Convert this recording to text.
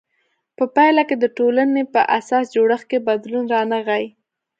په پایله کې د ټولنې په اساسي جوړښت کې بدلون رانغی.